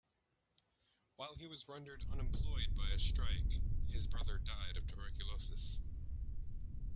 While he was rendered unemployed by a strike, his brother died of tuberculosis.